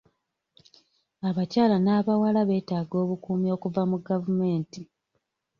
Abakyala n'abawala beetaaga obukuumi okuva mu gavumenti.